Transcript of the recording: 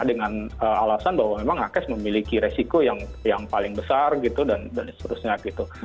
dengan alasan bahwa memang nakes memiliki resiko yang paling besar gitu dan seterusnya gitu